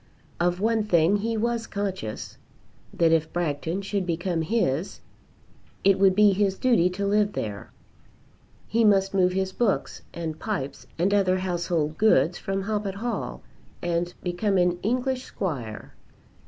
Of one thing he was conscious, that if Bragton should become his, it would be his duty to live there. He must move his books, and pipes, and other household gods from Hoppet Hall and become an English Squire.